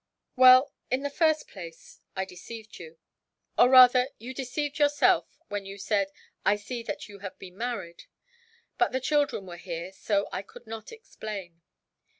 "Well, in the first place, I deceived you; or rather you deceived yourself, when you said, 'I see that you have been married;' but the children were here, and so I could not explain.